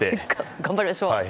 頑張りましょう。